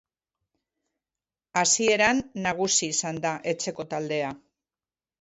Hasieran nagusi izan da etxeko taldea.